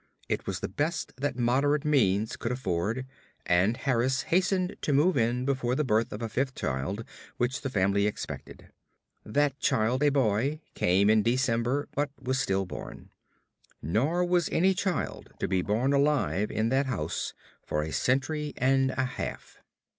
It was the best that moderate means could afford, and Harris hastened to move in before the birth of a fifth child which the family expected. That child, a boy, came in December; but was still born. Nor was any child to be born alive in that house for a century and a half.